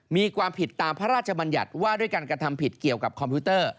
มีความผิดตามพระราชบัญญัติว่าด้วยการกระทำผิดเกี่ยวกับคอมพิวเตอร์